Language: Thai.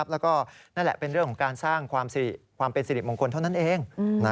แล้วก็นั่นแหละเป็นเรื่องของการสร้างความเป็นสิริมงคลเท่านั้นเอง